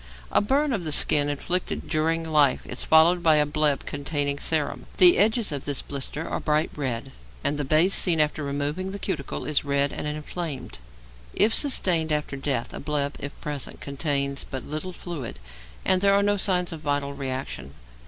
A burn of the skin inflicted during life is followed by a bleb containing serum; the edges of this blister are bright red, and the base, seen after removing the cuticle, is red and inflamed; if sustained after death, a bleb, if present, contains but little fluid, and there are no signs of vital reaction.